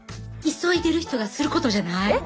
急いでる人がすることじゃない。